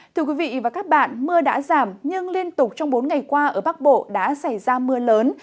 thưa quý vị và các bạn mưa đã giảm nhưng liên tục trong bốn ngày qua ở bắc bộ đã xảy ra mưa lớn